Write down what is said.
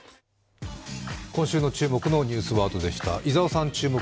今週の注目のニュースワードでした。